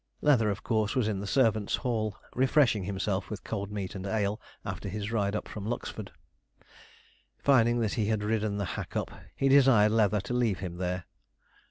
Leather, of course, was in the servants' hall, refreshing himself with cold meat and ale, after his ride up from Lucksford. Finding that he had ridden the hack up, he desired Leather to leave him there.